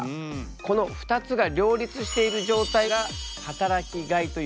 この２つが両立している状態が働きがいという言葉なんだ。